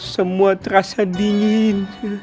semua terasa dingin